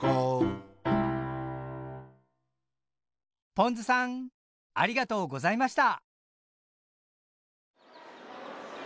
ぽんずさんありがとうございました。